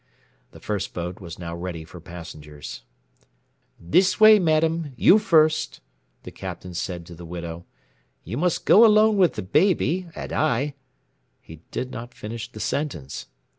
The first boat was now ready for passengers. "This way, madam you first " the Captain said to the widow. "You must go alone with the baby, and I " He did not finish the sentence.